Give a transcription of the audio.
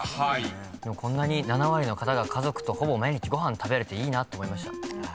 でもこんなに７割の方が家族とほぼ毎日ご飯食べれていいなって思いました。